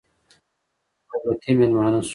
دولتي مېلمانه شوو.